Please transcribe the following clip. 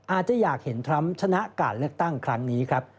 อาจจะอยากเห็นทรัมป์ชนะการเลือกตั้งครั้งนี้ครับ